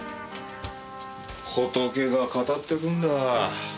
ホトケが語ってくんだぁ。